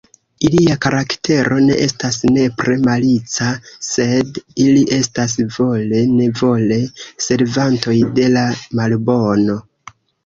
Ilia karaktero ne estas nepre malica, sed ili estas vole-nevole servantoj de la malbono.